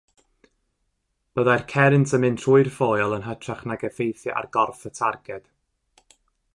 Byddai'r cerrynt yn mynd trwy'r ffoil yn hytrach nag effeithio ar gorff y targed.